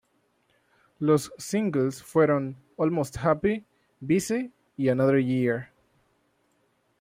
Los singles fueron "Almost Happy", "Busy" y "Another Year".